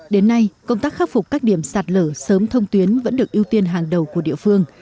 đến nay công tác khắc phục các điểm sạt lở sớm thông tuyến vẫn được ưu tiên hàng đầu của địa phương